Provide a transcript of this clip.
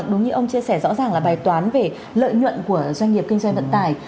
đúng như ông chia sẻ rõ ràng là bài toán về lợi nhuận của doanh nghiệp kinh doanh vận tải